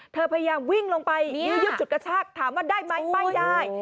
พยายามวิ่งลงไปยื้อยุดจุดกระชากถามว่าได้ไหมไม่ได้